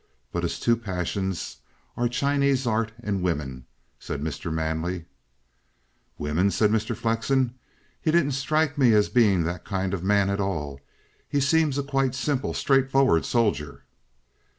But his two passions are Chinese art and women," said Mr. Manley. "Women?" said Mr. Flexen. "He didn't strike me as being that kind of man at all. He seemed a quite simple, straightforward soldier."